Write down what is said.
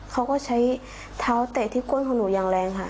เขาก็ใช้เท้าเตะที่ก้นของหนูอย่างแรงค่ะ